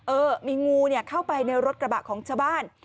เออมีงูเข้าไปในรถกระบะของชาวบ้าน